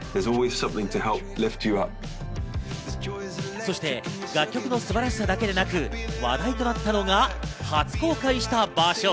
そして楽曲の素晴らしさだけでなく話題となったのが、初公開した場所。